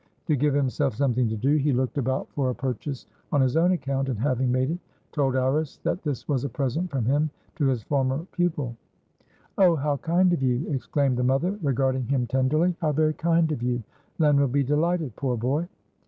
To give himself something to do, he looked about for a purchase on his own account, and, having made it, told Iris that this was a present from him to his former pupil. "Oh, how kind of you!" exclaimed the mother, regarding him tenderly. "How very kind of you! Len will be delighted, poor boy."